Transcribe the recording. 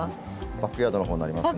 バックヤードのほうになりますんで。